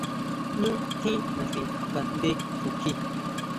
Ñú tjín naxi ngaʼndé xukji.